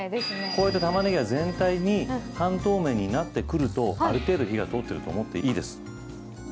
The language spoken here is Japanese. こうやって、タマネギが全体に半透明になってくるとある程度、火が通っていると思っていいです。